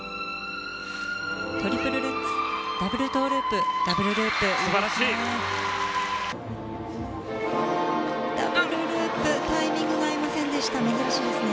トリプルルッツダブルトゥループダブルループいいですね。